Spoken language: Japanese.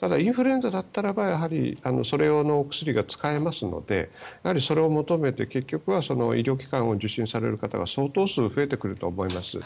ただ、インフルエンザだったらやはりそれ用のお薬が使えますのでそれを求めて結局は医療機関を受診する方が相当数増えてくると思います。